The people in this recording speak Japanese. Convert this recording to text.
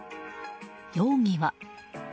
容疑は。